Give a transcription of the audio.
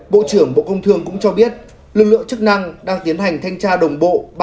bộ trưởng bộ công thương cũng cho biết lực lượng chức năng đang tiến hành thanh tra đồng bộ